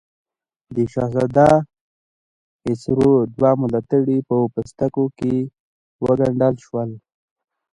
د شهزاده خسرو دوه ملاتړي په پوستکو کې وګنډل شول.